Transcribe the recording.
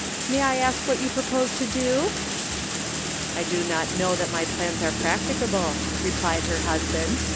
" May I ask what you propose to do ?"" I do not know that my plans are practicable," replied her husband.